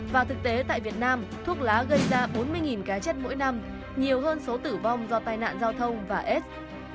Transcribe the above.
và thực tế tại việt nam thuốc lá gây ra bốn mươi cá chết mỗi năm nhiều hơn số tử vong do tai nạn giao thông và s